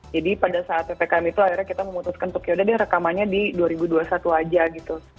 jadi pada saat ppkm itu akhirnya kita memutuskan untuk yaudah deh rekamannya di dua ribu dua puluh satu aja gitu